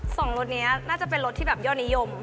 รถนี้น่าจะเป็นรถที่แบบยอดนิยม